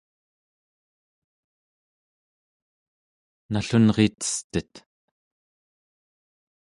nallunritestet